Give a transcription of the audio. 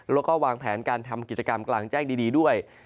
แล้วก็วางแผนการทำกิจกรรมกลางแจ้งดีด้วย